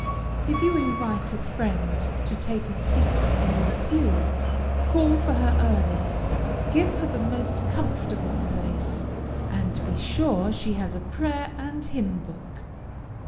If you invite a friend to take a seat in your pew, call for her early, give her the most comfortable place, and be sure she has a prayer and hymn book.